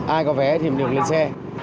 ai có vé thì mình được lên xe